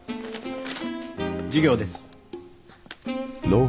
授業です。